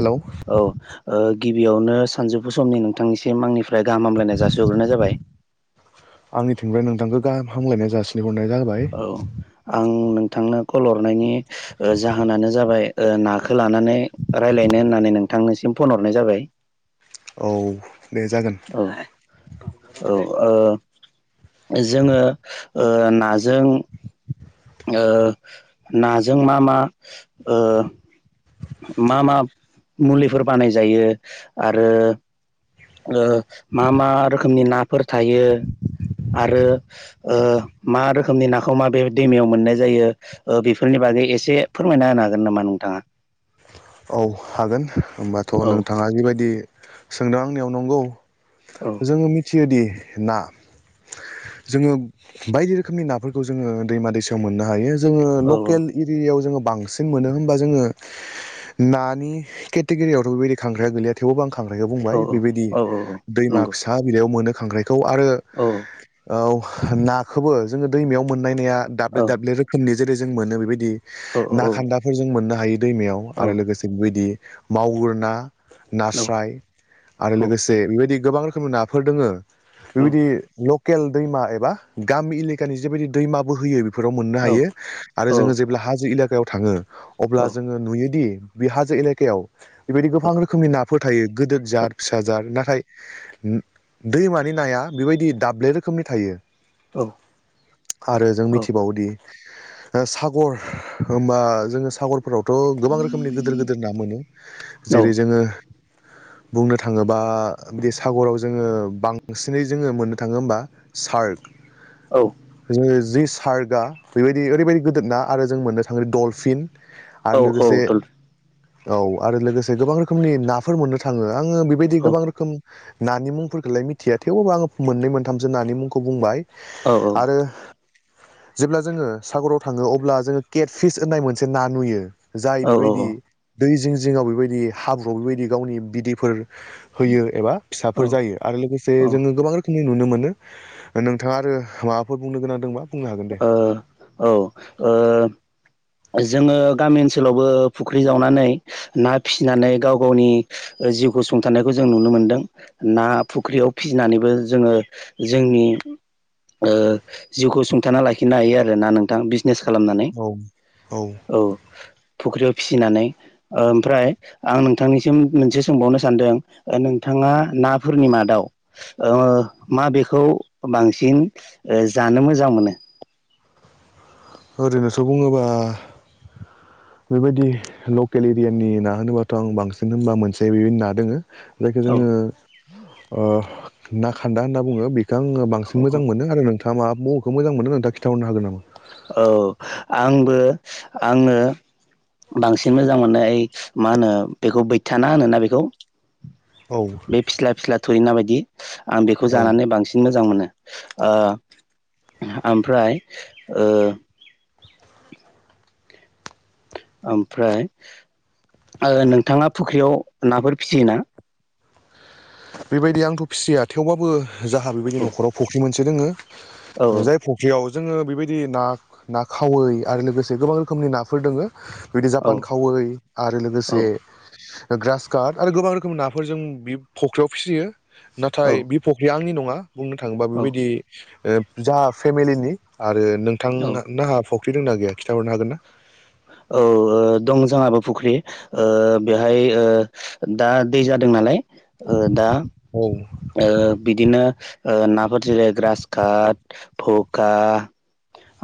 Hello औ ओ गिबियावनो सानजौफु समनि नोंथांनिसिम आंनि फ्राय गाहामलायनाय जासिहरग्रोनाय जाबाय । थिंनिफ्राय नोंथांखौ गाहामलायनाय जासिनाय औ आं नोंथांनो कल हरनायनि जाहोनानो जाबाय ओ नाखो लानानै रायलायनो होननानै नोंथांनिसिम फन हरनाय जाबाय । औ । औ औ ओ जोङो ओ नाजों ओ नाजों मा मा ओ मा मा मुलिफोर बानाय जायो आरो ओ मा मा रोखोमनि नाफोर थायो? आरो ओ मा रोखोमनि नाखौ माबे दैमायाव मोननाय जायो ओ बेफोरनि बाग गै एसे फोरमायना होनो हागोन नामा नोंथाङा? औ हागोन होमबाथ औ नोंथाङा जिबायदि सोंदों आंनियाव नंगौ । औ जोङो मिथियोदि ना जोङो बायदि रोखोमनि नाफोरखौ जोङो दैमा दैसायाव मोननो हायो । जोंङो औ लकेल एरियायाव जोंङो बांसिन मोनो होनोमबा जोंङो नानि केटेगरियावथ' बेबायदि खांग्राया गैया थेवबो खांख्राइखौ औ बुंबाय बेबायदि औ औ दैमा नंगौ फिसा बिलाइयाव मोनो खांख्राइ आरो औ ओ नाखौबो जोङो दैमायाव मोन नाया औ दाब्ले दाब्ले रोखोमनि जेरै जों मोनो बेबायदि औ ना औ खान्दाफोर जों मोननो हायो दैमायाव औ आरो लोगोसे बेबायदि मावगुर ना औ नास्राय आरो लोगोसे बेबायदि गोबां रोखोमनि नाफोर दोङो औ बेबायदि केल दैमा एबा गामि एलेकानि जेबायदि दैमाबो होयो फोराव मोननो औ हायो आरो जोङो जेब्ला हाजो एलेकायाव थाङो अ जोङो नुयो बे हाजो एलेकायाव बेबायदि गोबां रोखोमनि नाफोर थायो गिदिर जार फिसा जार नाथाय दैमानि नाया बेबायदि दाब्ले रोखोमनि थायो। औ आरो जों मिथिबावोदि सागर होनबा जोङो सागरफोरावथ' गोबां रोखोम गिदिर गिदिर ना मोनो जेरै जोङो [inaudible] बुंनो थाङोबा बिदि सागराव जोङो बांसिनै जोङो मोननो थाङो होमबा सार्क जों सारगा बेबायदि ओरैबायदि गिदिर ना आरो जों मोन्नो थाङो दडलफिन औ औ दडलफिन औ आरो लोगोसे गोबां रोखोमनि नाफोर मोननो थाङो आङो बेबायदि गोबां रोखोम नानि मुंफोरखौलाय मिथिया थेवाबबो आङो मोननै मोनथामसो नानि मुंखौ बुंबाय औ औ आरो जेब्ला जोङो सागराव थाङो अब्ला जोङो केट फिस होननाय मोनसे ना नुयो जाय बेबायदि दै जिं जिङाव बेबायदि हाब्रुआव बेबायदि गावनि बिदैफोर होयो एबा फिसाफोर जायो आरो लोगोसे ओ जोङो गोबां रोखोम नुनो मोनो नोंथाङा आरो माबाफोर बुंनो गोनां दंबा बुंनो हागोन दे ओ औ ओ जोङो गामि ओनसोलावबो फुख्रि जावनानै ना फिसिनानै गाव गावनि जिउखौ सुंथानायखौ जों नुनो मोनदों ना फुख्रियाव फिसिनानैबो जोङो जोंनि ओ जिउखौ सुंथाना लाखिनो हायो आरोना नोंथां बिजनेस खालामनानै औ औ फुख्रियाव फिसिनानै ओमफ्राय आं नोंथांनिसिम मोनसे सोंबावनो सानदों नोंथां नाफोरनि मादाव मा ओ बेखौ बांसिन जानो मोजां मोनो ओरैनोथ' बुङोबा बेबायदि लकेल एरियानि ना होनोबाथ' आं बांसिन होनबा मोनसे बेबायनो ना दोङो जायखौ औ जोङो ओ ना खान्दा होनना बुङो बे दखौ आङो बांसिन औ मोजां मोनो आरो नोंथाङा मा मबखौ मोजां मोनो नोंथाङा खिथाहरनो हागोन नामा औ आंबो आंनो बांसिन मोजां मोननाय मा होनो बेखौ बैथाना होनोना बेखौ औ बे फिस्ला फिस्ला थुरिना बायदि आं बेखौ औ जानानै बांसिन मोजां मोनो ओ ओमफ्राय ओ ओमफ्राय नोंथाङा फुख्रियाव नाफोर फिसियोना बेबायदि आंथ' फिसिया थेवबाबो जाहहा बेबायदि औ न'खराव फख्रि मोनसे दोङो औ जाय फख्रियाव जोङो बेबायदि ना ना खावै आरो लोगोसे गोबां रोखोमनि नाफोर दोङो बिबायदि जापान खावै आरो औ लोगोसे ग्रास काट आरो गोबां रोखोमनि नाफोर जों बे फख्रियाव फिसियो नाथाय औ बे फख्रिया आंनि नङा बुंनो थाङोबा औ बेबायदि फेमलिनि आरो औ नोंथां फ्रि दंना गैया खिथाहरनो हागोनना औ दं जाङाबो फुख्रि बेहाय दा दै जादों नालाय ओ दा औ ओ बिदिनो नाफोर जेरै ग्रास काट भखा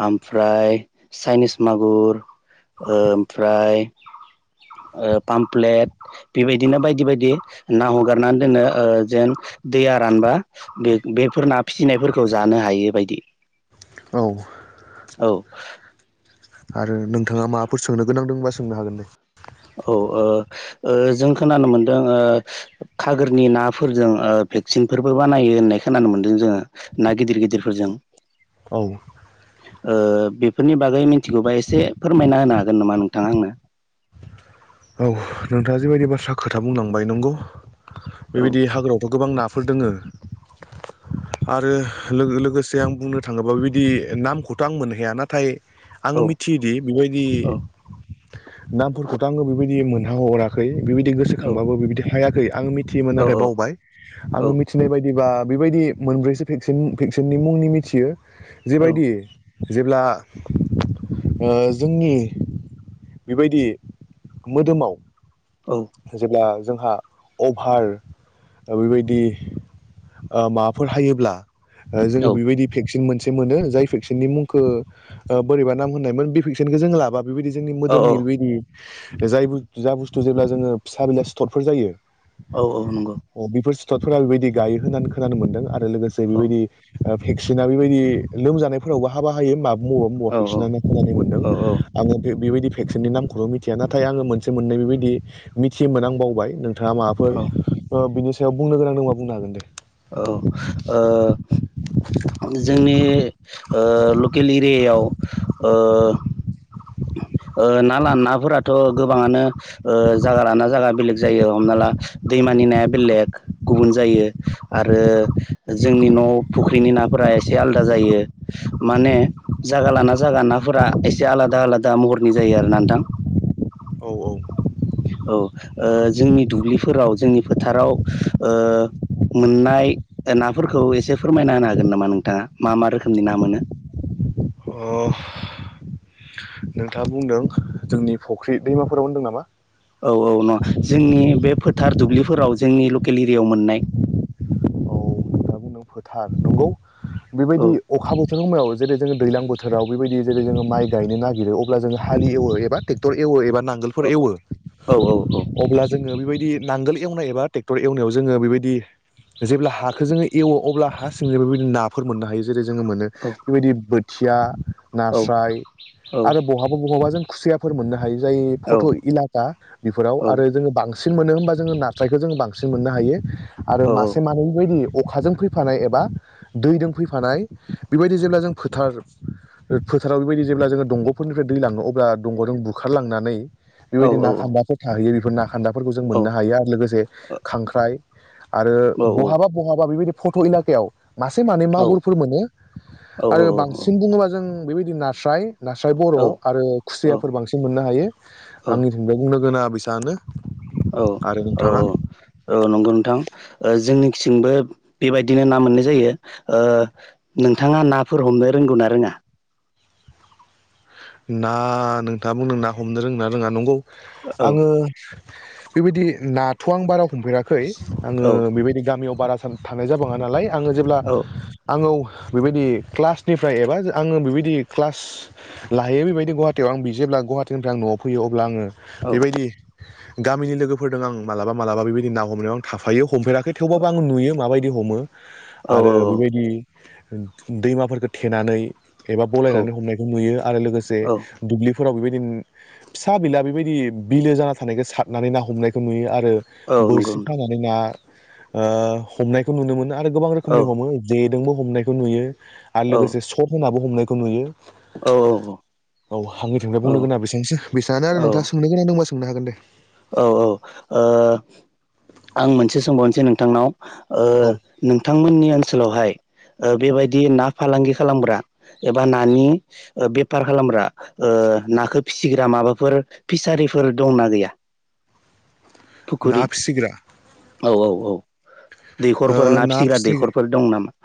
ओमफ्राय चाइनिस मागुर ओमफ्राय पामप्लेट बेबायदिनो बायदि बायदि ना हगारनानै दोनो जेन दैया रानबा बे बेफोर ना फिसिनायफोरखौ जानो हायो बायदि औ औ आरो नोंथाङा माबाफोर सोंनो गोनांदों होनबा सोंनो हागोन दे औ ओ ओ जों खोनानो मोनदों खागोरनि नाफोरजों भेक्सिनफोरबो बानायो होननाय खोनानो मोन्दों जोङो ना गिदिर गिदिरफोरजों औ ओ बेफोरनि बागै मिथिगौबा एसे फोरमायना होनो हागोन नामा नोंथाङा आंनो औ नोंथाङा जेबायदि बाथ्रा खोथा बुंलांबाय नंगौ औ बेबायदि हाग्रायावथ' गोबां नाफोर दोङो [unintelligible] [inaudible] आरो लोगोसे आं बुंनो थाङोब्ला बेबायदि नामखौथ' आं मोननोहाया नाथाय आङो औ मिथियोदि बेबायदि औ नामफोरखौथ' आङो बेबायदि मोनह हराखै बेबायदि औ गोसोखांबाबो बेबायदि हायाखै आं मिथि मिथियोमोन औ नाथाय बावबाय औ आङो मिथिनाय बायदिबा बेबायदि मोनब्रैसोेन भेक्सिननि मुंनि मिथियो जेबायदि जेब्ला ओ जोंनि बेबायदि मोदोमाव जेब्ला जोंहा अभार बेबायदि माबाफोर हायोब्ला जोङो बेबायदि भेक्सिन मोनसे मोनो जाय भेक्सिननि मुंखौ ओ बोरैबा होननायमोन बे भेक्सिन जों लाबा बेबायदि जोंनि औ मोदोमनि औ बेबायदि जाय जा बुस्थु जेब्ला जोङो फिसा बिला सि्थरफोर जायो औ औ नंगौ सथरफोरा बेबायदि गायो होननानै खोनानो मोन्दों आरो लोगोसे औ बेबायदि भेक्सिना बेबायदि लोमजानायफोरावबो हाबा हायो माबा बबा बबा औ औ भेक्सिनानो खोनानाय मोनदों औ आङो बे बेबायदि भेक्सिननि नामखौनो' मिथि नाथाय आङो मोनसे मोननै बेबायदि मिथि मोनोन आं बावबाय नोंथाङा औ माबाफोरनि सायाव बुंनो गोनां दंबा बुंनो हागोन दे औ ओ जोंनि ओ लकेल एरियायाव ओ ओ ना ल नाफोराथ' गोबाङानो जायागा लाना जायगा बेलेग जायो हमना ला दै मानि नाया बेलेग गुबुन जायो आरो जोंनि न' फुख्रिनि नाफोरा ए एसे आलादा जायो माने जायागा लाना जायागा नाफोरा एसे आलादा आलादा दा महरनि जायो आरो नोंथां औ औ ओ जोंनि दुब्लिफोराव जोंनि फोथाराव ओ मोननाय नाफोरखौ एसे फोरमायना होनो हागोन नामा नोंथाङा मा मा रोखोमनि ना मोनो [unintelligible] [inaudible] अ नोंथाङा बुंदों जोंनि फुख्रि दैमाफोराव होनदों नामा औ औ न' जोंनि बे फोथार दुब्लिफोराव जोंनि लकेल एरियायाव मोननाय [unintelligible] [inaudible] औ नोंथाङा बुंदों फोथार नंगौ औ बेबायदि अखा बोथोराव मायाव जेरै जोङो दैज्लां बोथो राव बेबायदि जेरै जोङो माइ गायनोागिरो अब्ला जोङो हलिवो एबा टक्ट एव एबा औ नांगोलफोर एवो औ अब्ला जोङं बेबायदि नांगोल एवनाय एबा ट्रेक्टर एवनायाव जोङो बेबायदि जेब्ला हाखौ जोङो एवो अब्ला हा सिंजों बेबायदि नाफोर मोननो हायो जेरै जोङो मोनो औ बेबायदि बोथिया। औ नास्राय औ आरो बहाबा बहाबा जों खुसियाफोर मोननो हायो। हायो जाय फट' इदि लाबा बेफोराव औ आरो जोङो बांस सिन मोनो होनबा जोङो नास्रायखो जोङो बांसिन मोननो हायो औ आरो मासे मानै बेबायदि अखाजों फैफ फानाय एबा दैदों फैफानाय बेबायदि जेब्ला जों फोथार ओ फोथाराव बेबायदि जेब्ला जोङो दंग'फोरनिफ्राय दैलाङो अब्ला दंग'जों बुखारलांनानै बेबायदि औ ना खान्दाफोर थाहैयो बेफोर ना खान्दाफोरखौ जों मोननो हायो आरो लोगोसे खांख्राइ। आरो बहाबा बहाबा बेबायदि फट' एलाकायाव। मासे मानै मागुरफोर मोनो आरो बांसिन बुङोबा जों बेबायदि नास्राय। नास्राय बर' आरो घुसियाफोर बांसिन मोननो हायो आंनि थिंजाय बुंनो गोनाङा बेसांआनो। औ आरो औ नोंथाङा औ औ नंगौ नोंथां। ओ जोंनिखिंबो बेबायदिनो ना मोननाय जायो ओ नोंथाङा नाफोर हमनो रों रोंगौ ना रोङा? ना नोंथाङा बुंनो ना हमनो रोंना रोङा नंगौ औ आङो बेबायदि नाथ' आं बारा हमफेराखै आङो औ बेबायदि गामियाव बारा सान थांनाय जाबाङा नालाय। आङो जेब्ला औ आङो उख बेबायदि क्लासनिफ्राय एबा जा आङो बेबायदि क्लास लाहैयो बेबायदि गुवाहाटियाव आं बि जेब्ला गुवाहाटिनिफ्राय आं न'आव फैयो अब्ला आङो औ बेबायदि गामिनि लोगोफोरदों आं मालाबा मालाबा बेबायदि ना हमनायाव आं थाफायो हमफेराखै थेवबाबो आं नुयो माबायदि हमो। औ आरो बेबायदि ओन दैमाफोरखो थेनानै एबा औ बलायनानै हमनायखौ नुयो आरो लोगोसे औ दुब्लिफ फोराव बेबायदि उम फिसा बिला बेबायदि बिलो जाना थानायखो सारनानै ना हमनायखौ नुयो आर रो औ नंगौ बोरसि नोंथां खानानै ना ओ हमनायखौ नुनो मोनो। आरो गोबां रोखोमनि औ हमो जेदोंबो हमनायखौ नुयो आरो औ लोगोसे सफ हमनाबो हमनायखौ नुयो। औ औ हांनि थिनिफ्राय बुंनो गोनांआ बेसेनोसै बेसांआनो औ आरो नोंथाङा सोंनो गोनां दंबा सोंनो हागोन दे औ औ ओ आं मोनसे सोंबावनोसै नोंथांनाव। ओ औ नोंथांमोननि ओनसोलावहाय ओ बेबायदि ना फालांगि खालामग्रा एबा नानि ओ बेफार खालामग्रा ओ नाखो फिसिग्रा माबाफोर फिसारिफोर दंना गैया? फुखुरि ना फिसिग्रा औ औ औ ओ दैखरफोर ना फिसिग्रा फिसि दैखरफोर दं नामा?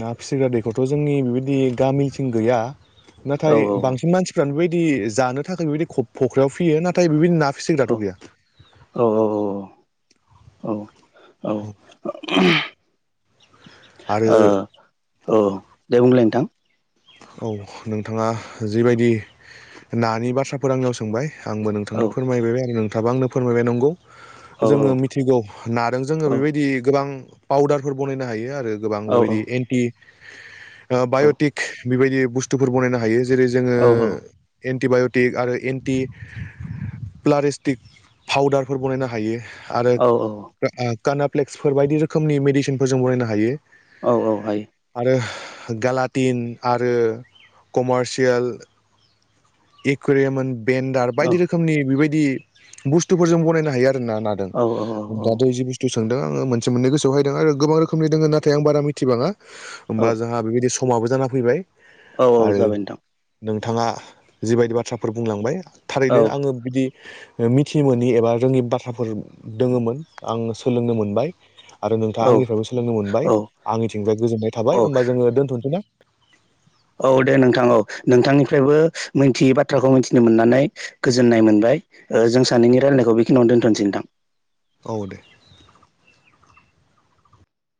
ना फिसिग्रा दैखरथ' जोंनि बेबायदि गामिथिं गैया। औ नाथाय बांसिन मानसिफ्रानो बेबायदि जानो थाखाय बेबायदि खफ फख्रियाव फिसियो नाथाय बेबायदि नाख फिसिं औ दाथ' गैया। औ औ औ ओ उमहो आरो औ दे बुंलाय नोंथां? औ नोंथाङा जिबायदि नानि बाथ्राफोर आंनियाव सोंबाय आंबो औ नोंथांनो फोरमायबोबाय आरो नोंथाङाबो आंनो फोरमायबाय नंगौ। औ जोङो मिथिगौ नादों जोङो औ बेबायदि गोबां पाउदारफोर बनायनो हायो आर रो गोबां औ बेबायदि एन्टि ओ औ बाय'टिक बेबायदि बुस्थुफोर बनायनो हायो ज जेरै जोङो औ एन्टिबाइ'टिक आरो एन्टि। प्लारिस्टिक फाउदारफोर बनायनो हायो‌। आरो ओ आ कानाप्लेक्सफोर बायदि रोखोमनि मेडिसिनफोर जों बनायनो हायो। औ औ हायो। होग गालाटिन आरो कमारसियेल। एकुवेरयेमोन बेन्डार औ बायदि रोखोमनि बेबायदि बुस्थुफोर जों बनायनो हायो आर रो ना नादों औ दाथ' जि बुस्थुस सोंदों आङो मोनसे मोननै गोसोआव फैदों आरो गोबां रोखोमनि दोङो नाथाय आं बारा मिथिबाङा औ ओमबा जोंहा बेबादिस स समाबो जाना फैबाय। औ औ आरो जाबाय नोंथां। नोंथाङा जिबायदि बाथ्राफोर बुंलांबाय औ थारैनो आङो बिदि ओ मिथिनोमोनि एबा रोंङि बाथ्राफोर दोंङोमोन आं सोलोंनो मोनबाय । आरो औ नोंथांङा आंनिफायबो सोलोंनो मोनबाय औ आंनिथिंजाय गोजोननाय औ थाबाय होमबा जोंङो दोनथ'नोसै ना औ दे नोंथां औ नोंथांनिफ्रायबो मिथियै बाथ्राखौ मिथिनो मोननानै गोजोननाय मोनबाय । ओ जों सानैनि रायलायनायखौ बेखिनियावनो दोनथ'नोसै नोंथां । औ दे